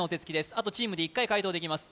あとチームで１回解答できます